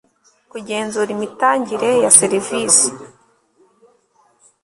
kugenzura imitangire ya serivisi